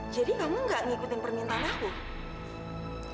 jadi kamu gak ngikutin permintaan aku